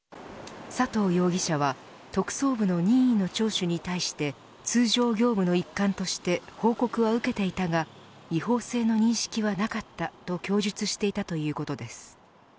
佐藤容疑者は特捜部の任意の聴取に対して通常業務の一環として報告は受けていたが違法性の認識はなかったと供述していたということです。